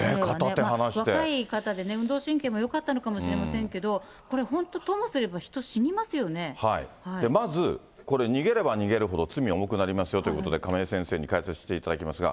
若い方でね、運動神経もよかったのかもしれませんけど、これ本当、まず、これ、逃げれば逃げるほど罪重くなりますよということで、亀井先生に解説していただきますが。